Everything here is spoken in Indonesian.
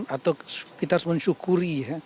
atau kita harus mensyukuri